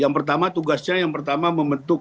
yang pertama tugasnya yang pertama membentuk